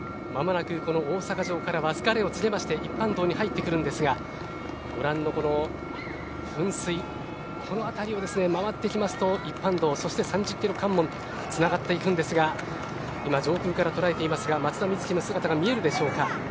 間もなくこの大阪城からは別れを告げまして一般道に入ってくるんですがご覧の噴水この辺りを回ってきますと一般道そして３０キロ関門とつながっていくんですが今、上空から捉えていますが松田瑞生の姿が見えるでしょうか。